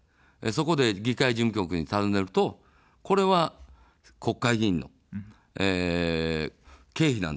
そこで、議会事務局にたずねると、これは、国会議員の経費なんですよと。